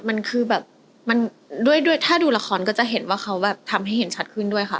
มันคือแบบมันด้วยถ้าดูละครก็จะเห็นว่าเขาแบบทำให้เห็นชัดขึ้นด้วยค่ะ